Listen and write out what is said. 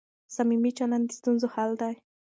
صميمي چلند د ستونزو حل دی.